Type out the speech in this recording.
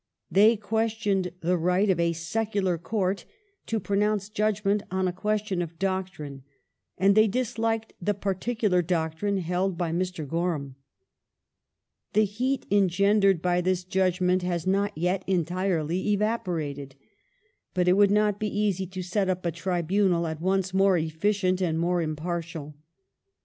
They questioned the right of a secular Court to pronounce judgment on a question of doctrine, and they disliked the particular doctrine held by Mr. Gorham. The heat engendered by this judgment has not yet entirely evaporated. But it would not be easy to set up a tribunal at once more efficient and more impartial.